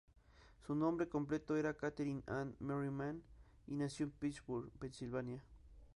Su nombre completo era Katherine Ann Merriman, y nació en Pittsburgh, Pensilvania.